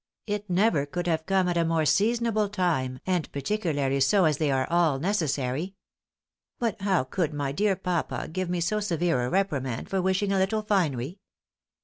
It never could have come at a more seasonable time, and particularly so as they are all necessary.... But how could my dear papa give me so severe a reprimand for wishing a little finery.